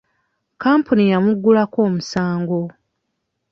Kampuni yamuggulako omusango.